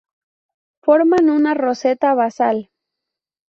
Forman una roseta basal.